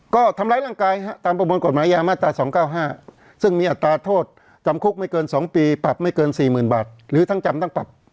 ก็ทำร้ายร่างกายตามประมวลกฎหมายยามาตรา๒๙๕ซึ่งมีอัตราโทษจำคุกไม่เกิน๒ปีปรับไม่เกิน๔๐๐๐บาทหรือทั้งจำทั้งปรับ